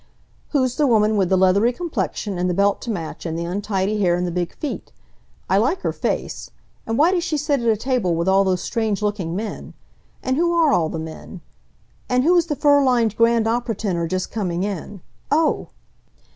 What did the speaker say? "Who's the woman with the leathery complexion and the belt to match, and the untidy hair and the big feet? I like her face. And why does she sit at a table with all those strange looking men? And who are all the men? And who is the fur lined grand opera tenor just coming in Oh!"